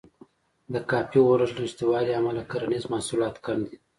د کافي ورښت له نشتوالي امله کرنیز محصولات کم دي.